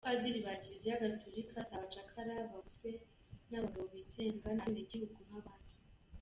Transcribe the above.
Abapadiri ba Kiliziya gatolika si”abacakara baguzwe”, ni abagabo bigenga, ni abenegihugu nk’abandi.